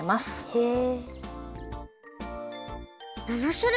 へえ。